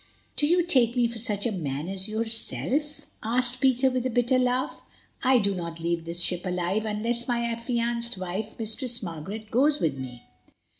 "Do you take me for such a man as yourself?" asked Peter, with a bitter laugh. "I do not leave this ship alive unless my affianced wife, Mistress Margaret, goes with me."